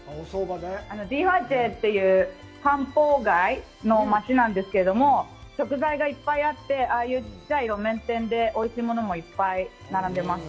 迪化街という漢方薬の街なんですけど、食材がいっぱいあって、ああいうちっちゃい路面店でおいしいものもいっぱい並んでます。